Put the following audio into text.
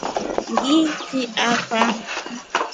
Ni fi afa?